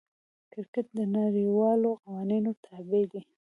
کرکټ د نړۍوالو قوانینو تابع دئ.